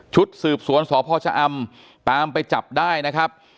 สืบสวนสพชะอำตามไปจับได้นะครับ